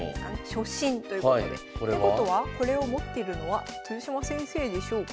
「初心」ということでってことはこれを持ってるのは豊島先生でしょうか？